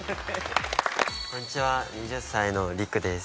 こんにちは２０歳のリクです。